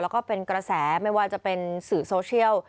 แล้วก็เป็นกระแสไม่ว่าจะเป็นสื่อโซเชียล